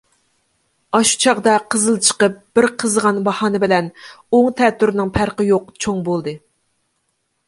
ئاشۇ چاغدا قىزىل چىقىپ، بىر قىزىغان باھانە بىلەن ئوڭ-تەتۈرىنىڭ پەرقى يوق چوڭ بولدى.